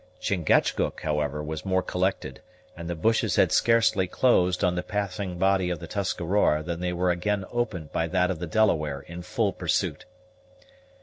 Chingachgook, however, was more collected; and the bushes had scarcely closed on the passing body of the Tuscarora than they were again opened by that of the Delaware in full pursuit.